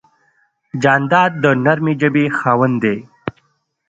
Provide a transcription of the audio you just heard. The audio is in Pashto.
جانداد د نرمې ژبې خاوند دی.